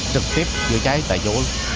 trực tiếp chữa cháy tại chỗ